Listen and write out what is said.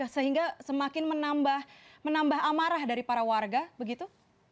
sehingga semakin menambah amarah dari para warga begitu